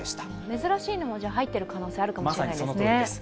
珍しいのが入っている可能性があるかもしれないですね。